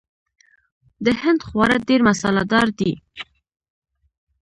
د هند خواړه ډیر مساله دار دي.